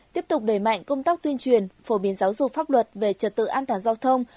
tiếp tục đẩy mạnh công tác tuyên truyền phổ biến giáo dục pháp luật về trật tự an toàn giao thông